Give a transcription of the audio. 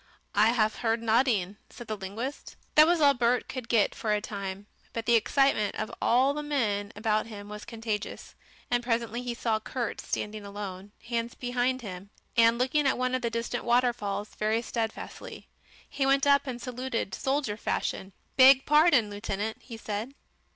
"I haf heard noding," said the linguist. That was all Bert could get for a time. But the excitement of all the men about him was contagious, and presently he saw Kurt standing alone, hands behind him, and looking at one of the distant waterfalls very steadfastly. He went up and saluted, soldier fashion. "Beg pardon, lieutenant," he said.